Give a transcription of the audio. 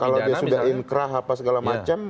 kalau dia sudah inkrah apa segala macam